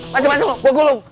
maju maju gua gulung